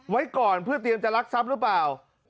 ไว้ก่อนเพื่อเตรียมจะรักทรัพย์หรือเปล่า